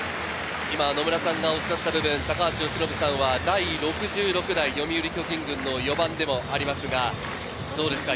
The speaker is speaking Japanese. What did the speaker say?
今、野村さんがおっしゃった部分、高橋由伸さんは第６６代読売巨人軍の４番でもありますが、どうですか？